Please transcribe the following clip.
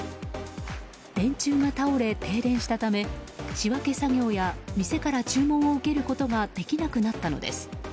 電柱が倒れ停電したため仕分け作業や店から注文を受けることができなくなったのです。